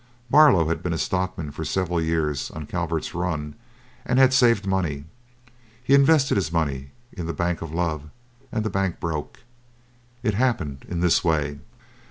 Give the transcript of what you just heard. Barlow had been a stockman for several years on Calvert's run, and had saved money. He invested his money in the Bank of Love, and the bank broke. It happened in this way.